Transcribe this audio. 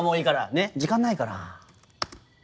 ねっ時間ないから。